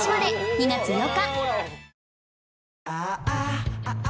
２月８日